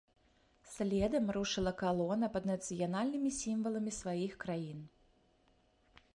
Следам рушыла калона пад нацыянальнымі сімваламі сваіх краін.